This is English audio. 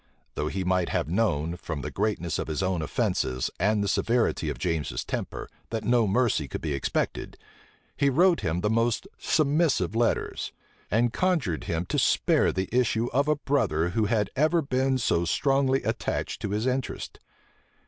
Though he might have known, from the greatness of his own offences, and the severity of James's temper, that no mercy could be expected, he wrote him the most submissive letters, and conjured him to spare the issue of a brother who had ever been so strongly attached to his interest.